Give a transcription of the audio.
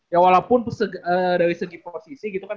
ya walaupun dari segi posisi gitu kan